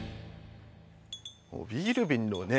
もうビール瓶のね